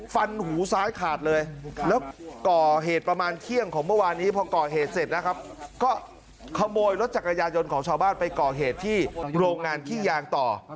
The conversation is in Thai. ฟันหูซ้ายขาดเลยแล้วก่อเหตุประมาณเที่ยงของเมื่อวานนี้พอก่อเหตุเสร็จนะครับก็ขโมยรถจักรยานยนต์ของชาวบ้านไปก่อเหตุที่โรงงานขี้ยางต่อ